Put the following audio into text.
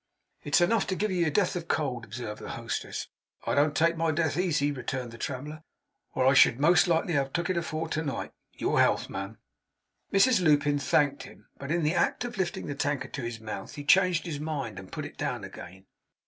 'It's enough to give you your death of cold,' observed the hostess. 'I don't take my death easy,' returned the traveller; 'or I should most likely have took it afore to night. Your health, ma'am!' Mrs Lupin thanked him; but in the act of lifting the tankard to his mouth, he changed his mind, and put it down again.